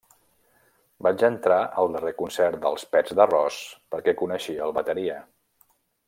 Vaig entrar al darrer concert dels Pets d'arròs, perquè coneixia el bateria.